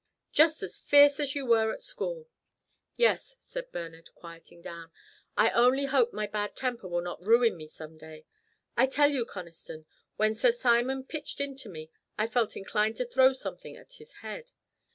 Just as fierce as you were at school." "Yes," said Bernard, quieting down. "I only hope my bad temper will not ruin me some day. I tell you, Conniston, when Sir Simon pitched into me I felt inclined to throw something at his head.